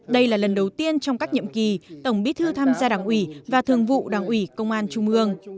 đây là lần đầu tiên trong các nhiệm kỳ tổng bí thư tham gia đảng ủy và thường vụ đảng ủy công an trung ương